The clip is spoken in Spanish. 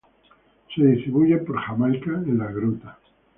Se distribuyen por Jamaica, en las grutas.